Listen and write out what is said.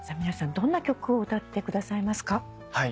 皆さんどんな曲を歌ってくださいますか？